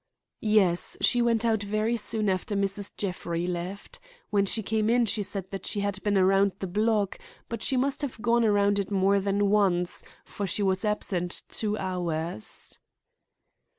"Yes; she went out very soon after Mrs. Jeffrey left. When she came in she said that she had been around the block, but she must have gone around it more than once, for she was absent two hours."